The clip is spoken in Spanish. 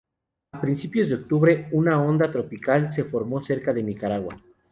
A principios de octubre, una onda tropical se formó cerca de Nicaragua.